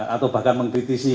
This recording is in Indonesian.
atau bahkan mengkritisi